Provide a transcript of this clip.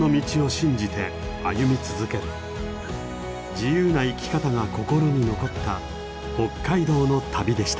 自由な生き方が心に残った北海道の旅でした。